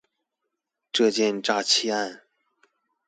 這件詐欺案